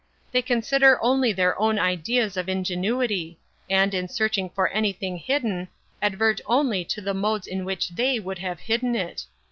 They consider only their own ideas of ingenuity; and, in searching for anything hidden, advert only to the modes in which they would have hidden it.